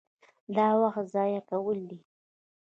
دا وخت ضایع کول دي.